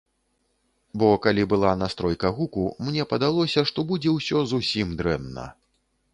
Бо калі была настройка гуку, мне падалося, што будзе ўсё зусім дрэнна.